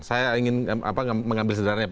saya ingin mengambil sederhana